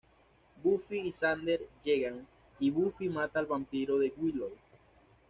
Buffy y Xander llegan, y Buffy mata al vampiro de Willow.